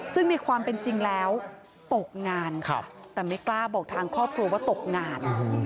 ซึ่งในความเป็นจริงแล้วตกงานค่ะแต่ไม่กล้าบอกทางครอบครัวว่าตกงาน